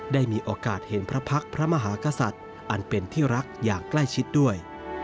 ได้มีโอกาสเห็นพระพักษ์พระมหากษัตริย์อันเป็นที่รักอย่างใกล้ชิดด้วย